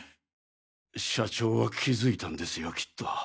社長は気付いたんですよきっと。